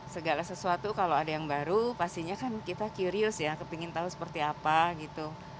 segala sesuatu kalau ada yang baru pastinya kan kita curius ya kepingin tahu seperti apa gitu